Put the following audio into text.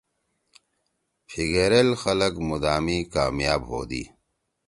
پھیگرئیل خلق مدامی کامیاب ہودی۔